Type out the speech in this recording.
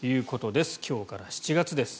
今日から７月です。